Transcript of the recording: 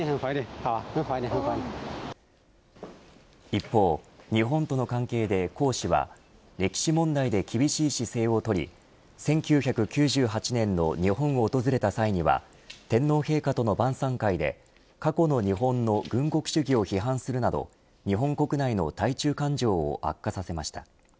一方、日本との関係で江氏は歴史問題で厳しい姿勢をとり１９９８年の日本を訪れた際には天皇陛下との晩さん会で過去の日本の軍国主義を批判するなど日本国内の対中感情を悪化させました。